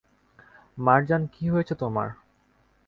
মার্জান, কী হয়েছে তোমার?